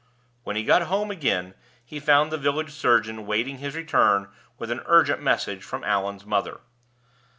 When he got home again, he found the village surgeon waiting his return with an urgent message from Allan's mother.